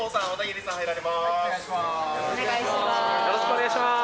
お願いします。